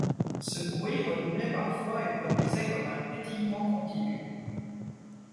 Ce bruit redoublait parfois et produisait comme un pétillement continu.